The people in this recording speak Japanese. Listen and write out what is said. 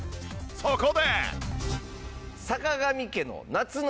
そこで。